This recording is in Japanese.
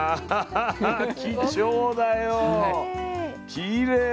きれい！